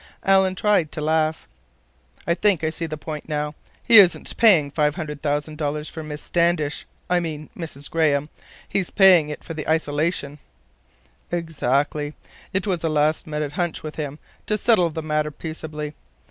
Alan tried to laugh. "I think I see the point—now. He isn't paying five hundred thousand for Miss Standish—I mean Mrs. Graham. He's paying it for the isolation." "Exactly. It was a last minute hunch with him—to settle the matter peaceably.